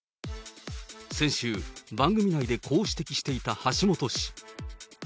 先週、番組内でこう指摘していた橋下氏。